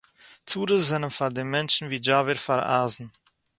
צרות זײַנען פֿאַר דעם מענטשן ווי זשאַווער פֿאַר אײַזן.